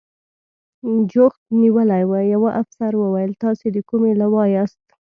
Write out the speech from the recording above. جوخت نیولي و، یوه افسر وویل: تاسې د کومې لوا یاست؟